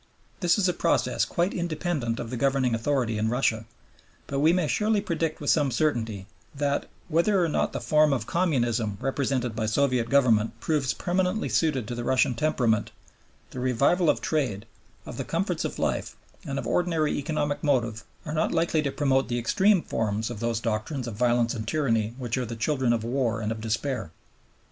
This is a process quite independent of the governing authority in Russia; but we may surely predict with some certainty that, whether or not the form of communism represented by Soviet government proves permanently suited to the Russian temperament, the revival of trade, of the comforts of life and of ordinary economic motive are not likely to promote the extreme forms of those doctrines of violence and tyranny which are the children of war and of despair.